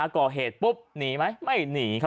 ก่อเหตุปุ๊บหนีไหมไม่หนีครับ